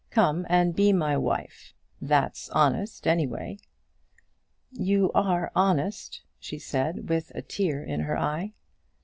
Come and be my wife. That's honest, any way." "You are honest," said she, with a tear in her eye.